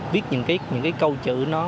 viết những cái câu chữ nó